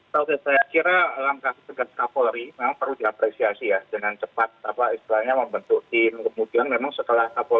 saya kira langkah segera kapolri memang perlu diapresiasi ya dengan cepat